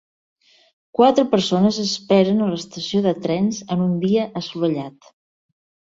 Quatre persones esperen a l'estació de trens en un dia assolellat